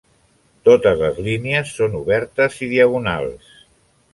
Totes les línies són obertes i diagonals.